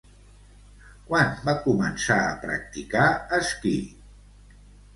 Quan va començar a practicar esquí?